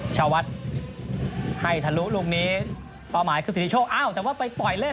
ชาวัดให้ทะลุลูกนี้เป้าหมายคือสิทธิโชคอ้าวแต่ว่าไปปล่อยเล่น